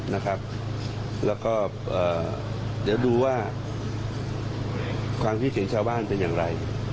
แล้วก็เดี๋ยวดูว่าความคิดเห็นชาวบ้านเป็นอย่างไร